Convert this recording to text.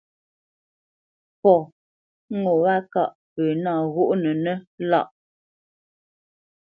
Fɔ ŋo wâ ŋkâʼ pə nâ ghóʼnənə́ lâʼ.